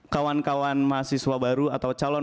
kawan kawan mahasiswa baru atau calon